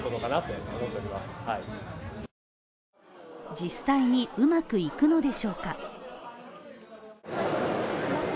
実際にうまくいくのでしょうか？